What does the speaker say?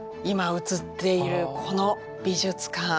今映っているこの美術館。